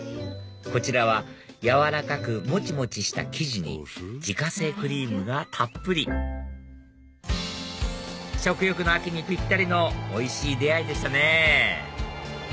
こちらは柔らかくもちもちした生地に自家製クリームがたっぷり食欲の秋にぴったりのおいしい出会いでしたね